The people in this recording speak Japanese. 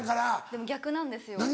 でも逆なんですよ